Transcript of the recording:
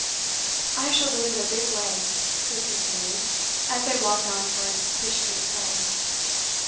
'I shall live in a big way,' Crewe continued, as they walked on towards Fish Street Hill.